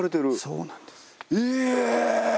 そうなんです。え！